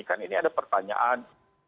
kan ini ada pertanyaan